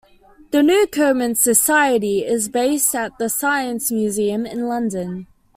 The Newcomen Society is based at the Science Museum in London.